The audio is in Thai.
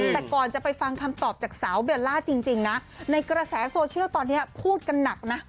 แต่ก่อนจะไปฟังคำตอบจากสาวเบลล่าจริงนะในกระแสโซเชียลตอนนี้พูดกันหนักนะ